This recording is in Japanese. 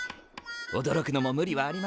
おどろくのも無理はありませんね。